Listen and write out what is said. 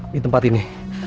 di tempat ini